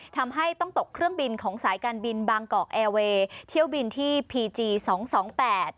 ทำให้ต้องตกเครื่องบินของสายการบินบางกอกแอร์เวย์เที่ยวบินที่พีจีสองสองแปด